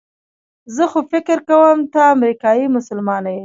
زه خو فکر کوم ته امریکایي مسلمانه یې.